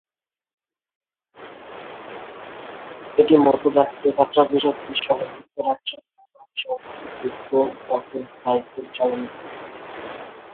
এটি মধ্যপ্রাচ্যে যাত্রাবিরতি সহ যুক্তরাজ্য ও বাংলাদেশের মধ্যে দীর্ঘ পথের ফ্লাইট পরিচালনা করতো।